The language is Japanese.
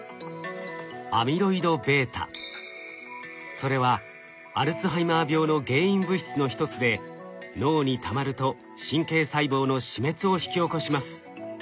それはアルツハイマー病の原因物質の一つで脳にたまると神経細胞の死滅を引き起こします。